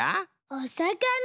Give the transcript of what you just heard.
おさかな！